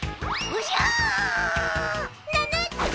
おじゃ！